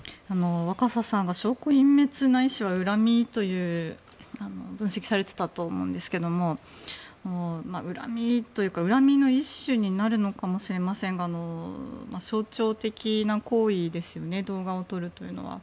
若狭さんが証拠隠滅、ないしは恨みという分析をされていたと思うんですが恨みというか恨みの一種になるのかもしれませんが象徴的な行為ですよね動画を撮るというのは。